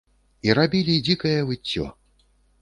І рабілі дзікае выццё.